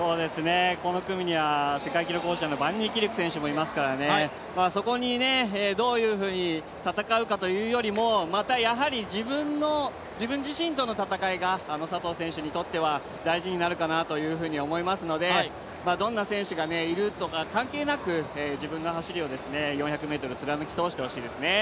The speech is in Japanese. この組には世界記録保持者の選手がいますからね、そこにどういうふうに戦うかというよりも、またやはり自分自身との戦いが佐藤選手にとっては大事になるかなと思いますのでどんな選手がいるとか関係なく、自分の走りを４００ｍ貫き通してほしいですね。